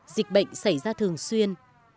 dịch bệnh xảy ra thường xuyên